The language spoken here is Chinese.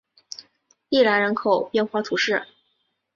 蒂兰人口变化图示